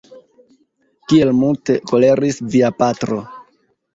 Kiel multe koleris via patro!